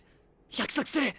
約束する。